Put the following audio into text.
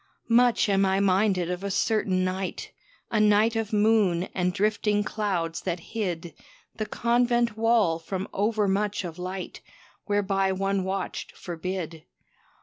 Much am I minded of a certain night A night of moon and drifting clouds that hid The convent wall from overmuch of light Whereby one watched forbid.